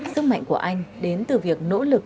sức mạnh của anh đến từ việc nỗ lực